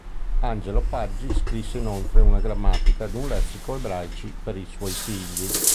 Angelo Paggi scrisse inoltre una grammatica e un lessico ebraici per i suoi figli.